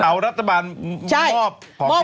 เอารัฐบาลมอบของปีใหม่